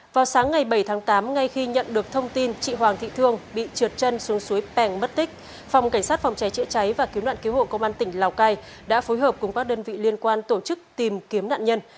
vào sáng ngày bảy tháng tám ngay khi nhận được thông tin chị hoàng thị thương bị trượt chân xuống suối pèng mất tích phòng cảnh sát phòng cháy chữa cháy và cứu nạn cứu hộ công an tỉnh lào cai đã phối hợp cùng các đơn vị liên quan tổ chức tìm kiếm nạn nhân